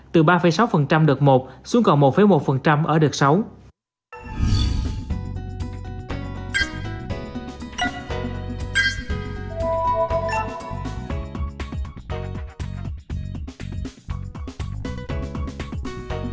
từ ba sáu đợt một xuống còn một một ở đợt sáu